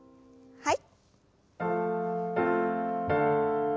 はい。